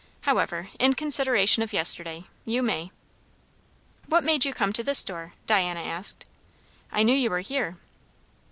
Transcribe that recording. However, in consideration of yesterday you may." "What made you come to this door?" Diana asked. "I knew you were here."